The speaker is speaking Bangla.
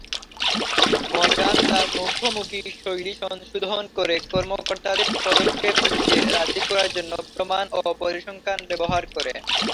মরগান তার মুখোমুখি শৈলী সংশোধন করে কর্মকর্তাদের পদক্ষেপ নিতে রাজি করার জন্য প্রমাণ ও পরিসংখ্যান ব্যবহার করেন।